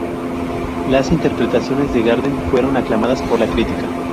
Las interpretaciones de Garden fueron aclamadas por la crítica.